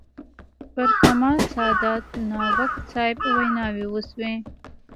پر کمال سادات، ناوک صاحب ویناوې وشوې.